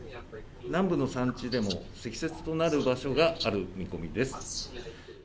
南部の山地でも、積雪となる場所がある見込みです。